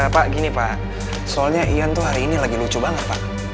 pak gini pak soalnya ian tuh hari ini lagi lucu banget pak